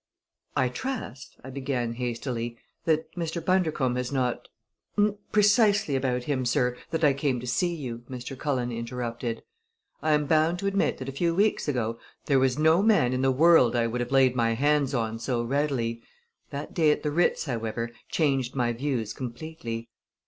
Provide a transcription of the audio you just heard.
"I trust," I began hastily, "that Mr. Bundercombe has not " "Precisely about him, sir, that I came to see you," Mr. Cullen interrupted. "I am bound to admit that a few weeks ago there was no man in the world I would have laid my hands on so readily. That day at the Ritz, however, changed my views completely.